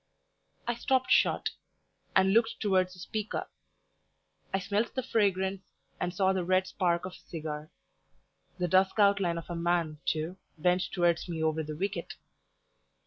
I stopped short, and looked towards the speaker. I smelt the fragrance, and saw the red spark of a cigar; the dusk outline of a man, too, bent towards me over the wicket.